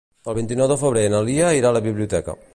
El vint-i-nou de febrer na Lia irà a la biblioteca.